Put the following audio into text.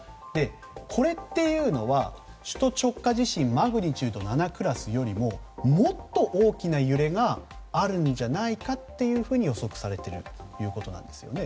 これっていうのは首都直下地震のマグニチュード７クラスよりももっと大きな揺れがあるんじゃないかと予測されているということなんですよね。